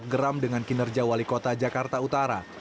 yang membuat ahok geram dengan kinerja wali kota jakarta utara